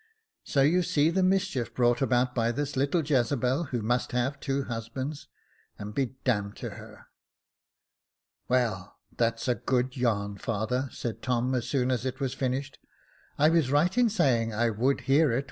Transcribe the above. So you see the mischief brought about by this little Jezebel, who must have two husbands, and be d d to her." " Well, that's a good yarn, father," said Tom, as soon as it was finished. " I was right in saying I would hear it.